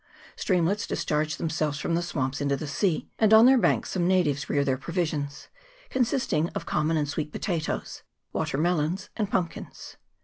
Streamlets discharge themselves from the swamps into the sea, and on their banks some natives rear their provisions, consisting of common and sweet potatoes, water melons, and pumpkins.